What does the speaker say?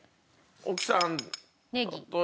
奥さんと。